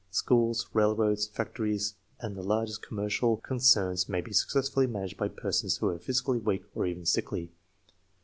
Schools, railroads, factories, and the largest commercial concerns may be successfully managed by person*? who are physically weak or even sickly.